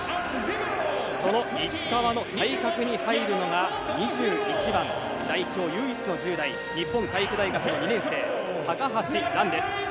その石川の対角に入るのが２１番代表唯一の１０代日本体育大学の２年生高橋藍です。